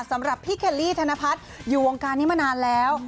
สำหรับพี่เคลลี่ธนพัฒน์อยู่วงการนี้มานานแล้ว